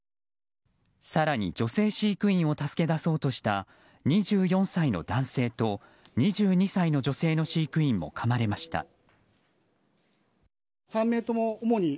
更に女性飼育員を助け出そうとした２４歳の男性と２２歳の女性の飼育員もかまれました。